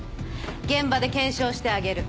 現場で検証してあげる。